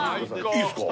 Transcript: いいですか？